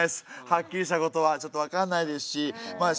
はっきりしたことはちょっと分かんないですしまあ